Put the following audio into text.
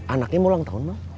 anaknya mau ulang tahun bang